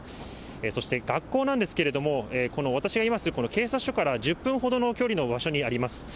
そして学校なんですけれども、この私がいますこの警察署から１０分ほどの距離の場所にあります。